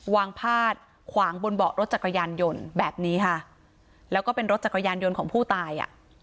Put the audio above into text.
พาดขวางบนเบาะรถจักรยานยนต์แบบนี้ค่ะแล้วก็เป็นรถจักรยานยนต์ของผู้ตายอ่ะ